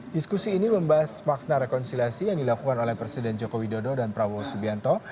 diskusi ini membahas makna rekonsiliasi yang dilakukan oleh presiden joko widodo dan prabowo subianto